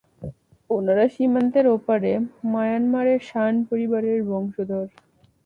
ওনারা সীমান্তের ওপারে, মায়ানমারের শান পরিবারের বংশধর।